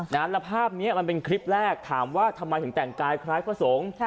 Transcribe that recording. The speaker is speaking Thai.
แล้วภาพนี้มันเป็นคลิปแรกถามว่าทำไมถึงแต่งกายคล้ายพระสงฆ์